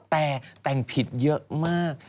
แต่แต่งผิดเยอะมาก